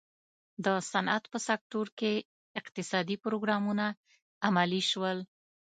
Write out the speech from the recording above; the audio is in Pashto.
د صنعت په سکتور کې اقتصادي پروګرامونه عملي شول.